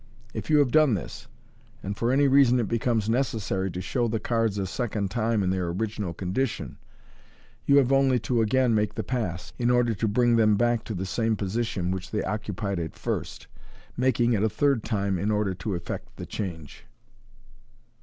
If you have done this, and for any reason it becomes necessary to show the cards a second time in their original condition, you have only to again make the pass, in order to bring them back to the same position which they occupied at first, making it a third time in order to effect the change.